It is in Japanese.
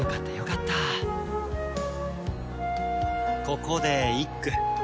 ここで一句。